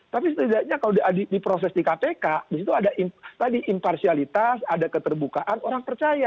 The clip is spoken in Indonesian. tapi setidaknya kalau diproses di kpk di situ ada imparsialitas ada keterbukaan orang percaya